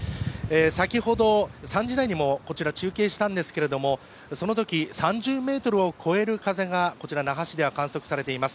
先ほど３時台にもこちら、中継したんですけども、そのとき３０メートルを超える風が那覇市では観測されています。